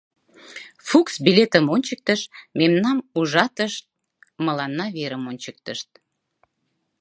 Фукс билетым ончыктыш, мемнам ужатышт, мыланна верым ончыктышт.